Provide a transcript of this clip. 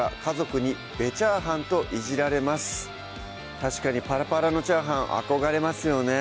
確かにパラパラのチャーハン憧れますよね